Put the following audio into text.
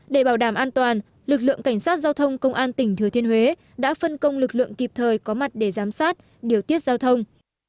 để bảo đảm an toàn lực lượng cảnh sát giao thông công an tỉnh thừa thiên huế đã phân công lực lượng kịp thời có mặt để giám sát điều tiết giao thông